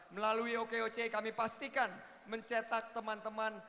melalui okoc kami pastikan mencetak teman teman